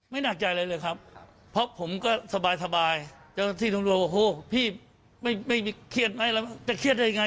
ไม่หนักใจอะไรเลยครับเพราะผมก็สบายพี่ไม่เครียดไหมจะเครียดได้ยังไง